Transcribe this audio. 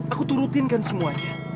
aku turutin kan semuanya